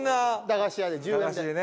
駄菓子屋で１０円で。